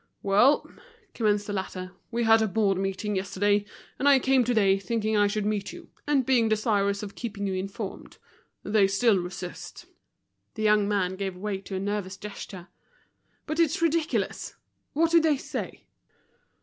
"Well!" commenced the latter, "we had a board meeting yesterday, and I came today, thinking I should meet yon, and being desirous of keeping you informed. They still resist." The young man gave way to a nervous gesture. "But it's ridiculous. What do they say?"